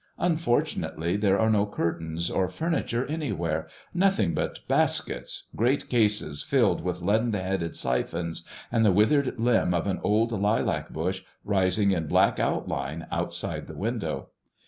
Unfortunately there are no curtains or furniture anywhere, nothing but baskets, great cases filled with leaden headed siphons, and the withered limb of an old lilac bush rising in black outline outside the window.